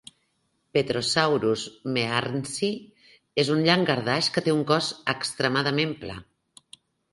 "Petrosaurus mearnsi" és un llangardaix que té un cos extremadament pla.